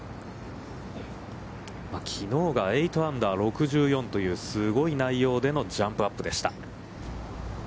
きのうが８アンダー６４というすごい内容でのジャンプアップでした。